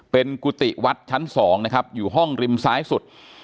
เป็นกุฏิวัดชั้น๒นะครับอยู่ห้องริมซ้ายสุด